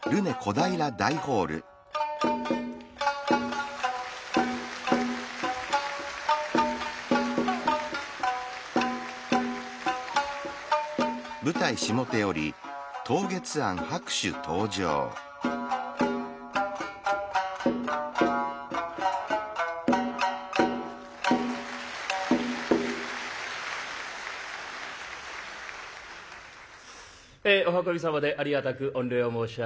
お運び様でありがたく御礼を申し上げます。